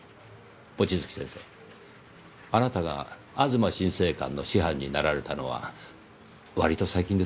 望月先生あなたが吾妻心聖館の師範になられたのは割と最近ですねぇ。